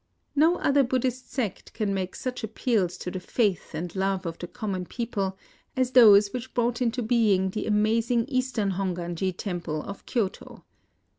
No other Buddhist sect can make such appeals to the faith and love of the com mon people as those which brought into being the amazing Eastern Hongwanji temple of Kyoto.